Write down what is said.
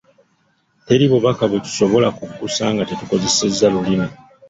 Teri bubaka bwe tusobola kuggusa nga tetukozesezza Lulimi